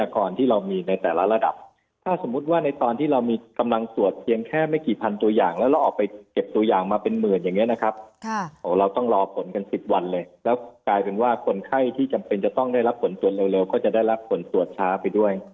แค่ไม่กี่พันตัวอย่างแล้วเราออกไปเก็บตัวอย่างมาเป็นหมื่นอย่างนี้นะครับเราต้องรอผลกันสิบวันเลยแล้วกลายเป็นว่าคนไข้ที่จำเป็นจะต้องได้รับผลตรวจเร็วก็จะได้รับผลตรวจช้าไปด้วย